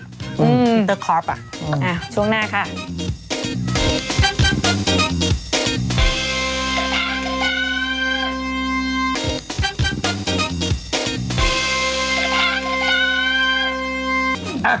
อืมฮึทีเตอร์คอร์ฟช่วงหน้าค่ะ